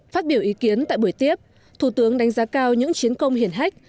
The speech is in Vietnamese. phát biểu ý kiến tại buổi tiếp thủ tướng đánh giá cao những chiến công hiển hách